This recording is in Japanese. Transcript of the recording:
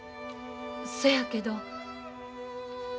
そやけど。